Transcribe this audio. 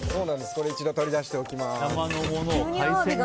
これ、一度取り出しておきます。